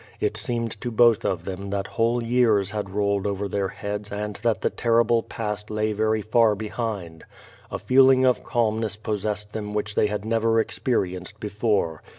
It seemed to both of them that whole years had rolled over their heads and that the terrible past lay very far behind. A feel ing of calmness possessed them which they had never experi enced before.